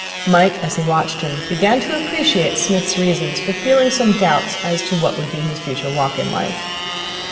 Mike, as he watched him, began to appreciate Psmith's reasons for feeling some doubt as to what would be his future walk in life.